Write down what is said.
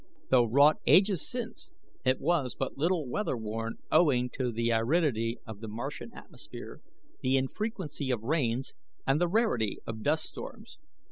Though wrought ages since, it was but little weather worn owing to the aridity of the Martian atmosphere, the infrequency of rains, and the rarity of dust storms.